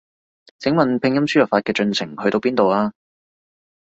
請問拼音輸入法嘅進程去到邊度啊？